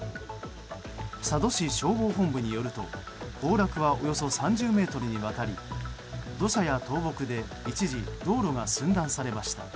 佐渡市消防本部によると崩落はおよそ３０ｍにわたり土砂や倒木で一時道路が寸断されました。